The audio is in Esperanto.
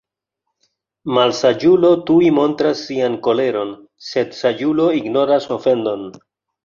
Malsaĝulo tuj montras sian koleron; Sed saĝulo ignoras ofendon.